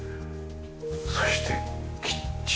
そしてキッチン。